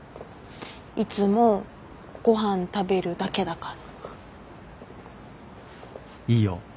いつもご飯食べるだけだから。